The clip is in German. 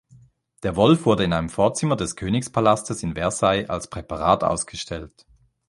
Der Wolf wurde in einem Vorzimmer des Königspalastes in Versailles als Präparat ausgestellt.